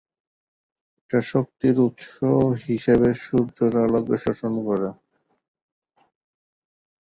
এটা শক্তির উৎস হিসাবে সূর্যের আলোকে শোষণ করে।